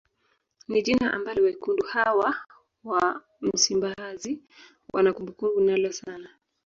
Ni jina ambalo wekundu hawa wa msimbazi wana kumbukumbu nalo sana